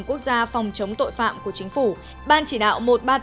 quốc gia phòng chống tội phạm của chính phủ ban chỉ đạo một trăm ba mươi tám